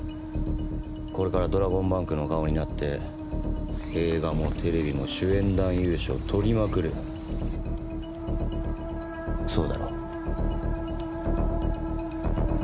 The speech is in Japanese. これからドラゴンバンクの顔になって映画もテレビも主演男優賞取りまくるそうだろ？